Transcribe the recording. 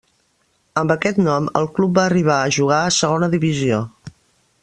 Amb aquest nom el club va arribar a jugar a Segona Divisió.